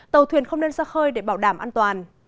tàu thuyền không nên ra khơi để bảo đảm an toàn